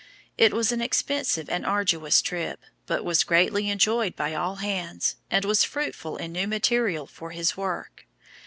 It was an expensive and arduous trip, but was greatly enjoyed by all hands, and was fruitful in new material for his work.